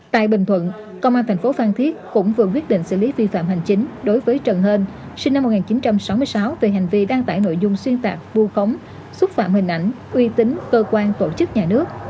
tại bình thuận công an thành phố phan thiết cũng vừa quyết định xử lý vi phạm hành chính đối với trần hên sinh năm một nghìn chín trăm sáu mươi sáu về hành vi đăng tải nội dung xuyên tạc vu khống xúc phạm hình ảnh uy tín cơ quan tổ chức nhà nước